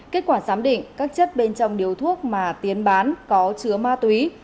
kết quả giám định các chất bên trong điếu thuốc mà tiến bán có chứa ma túy